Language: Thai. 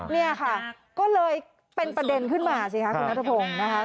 เนี่ยค่ะก็เลยเป็นประเด็นขึ้นมาสิคะคุณนัทพงศ์นะคะ